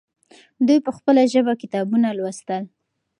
دوی په خپله ژبه کتابونه لوستل.